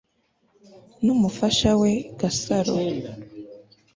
n'umufasha we gasaro